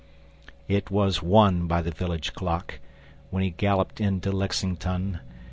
It was one by the village clock, When he galloped into Lexington.